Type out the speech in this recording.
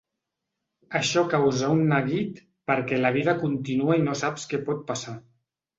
Això causa un neguit perquè la vida continua i no saps què pot passar.